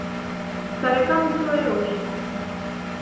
¿Sabe canto é hoxe?